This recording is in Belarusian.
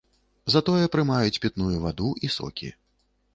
Затое прымаюць пітную ваду і сокі.